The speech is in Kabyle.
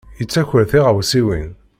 Yettaker tiɣawsiwin.